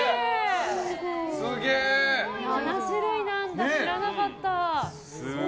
７種類なんだ、知らなかった。